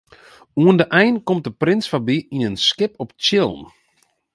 Oan de ein komt de prins foarby yn in skip op tsjillen.